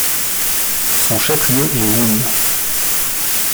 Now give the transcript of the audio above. Son chef-lieu est Wum.